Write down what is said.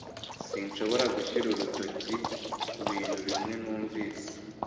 Sinshobora gushyira urutoki kubintu bimwe numvise